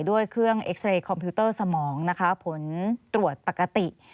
ด้วยเครื่องเอ็กซาเรย์คอมพิวเตอร์สมองนะคะผลตรวจปกติ